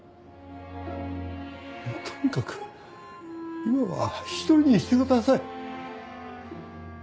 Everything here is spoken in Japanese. とにかく今は一人にしてください。